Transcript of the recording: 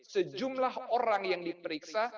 sejumlah orang yang diperiksa